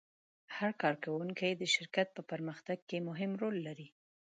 هر کارکوونکی د شرکت په پرمختګ کې مهم رول لري.